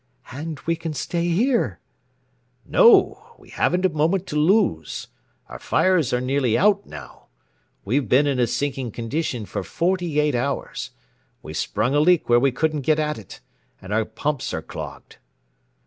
"And we can stay here!" "No we haven't a moment to lose. Our fires are nearly out now. We've been in a sinking condition for forty eight hours. We sprung a leak where we couldn't get at it, and our pumps are clogged.